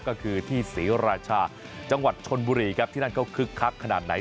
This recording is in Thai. ก็คือที่ศรีราชาจังหวัดชนบุรีครับที่นั่นเขาคึกคักขนาดไหน